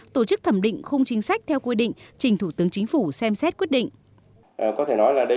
tổ chức thẩm định khung chính sách theo quy định trình thủ tướng chính phủ xem xét quyết định